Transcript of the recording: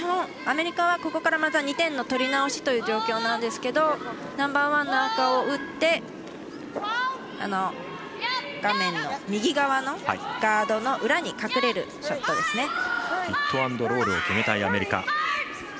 アメリカはここからまた２点の取り直しという状況ですがナンバーワンの赤を打って画面の右側のガードの裏に隠れるショットですね。